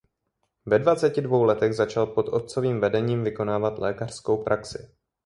Ve dvaceti dvou letech začal pod otcovým vedením vykonávat lékařskou praxi.